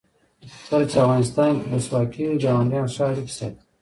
کله چې افغانستان کې ولسواکي وي ګاونډیان ښه اړیکې ساتي.